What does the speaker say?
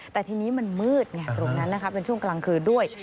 แต่ทีนี้มันมืดไงตรงนั้นนะคะเป็นช่วงกลางคืนด้วย